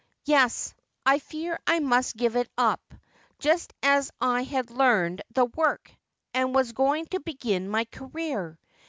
'Yes, I fear I must give it up — just as I had learned the work, and was going to begin my career.